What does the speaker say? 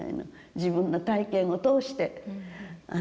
自分の体験を通して。